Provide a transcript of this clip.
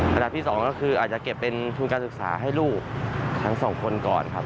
อันดับที่๒ก็คืออาจจะเก็บเป็นทุนการศึกษาให้ลูกทั้งสองคนก่อนครับ